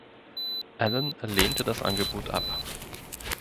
Allen lehnte das Angebot ab.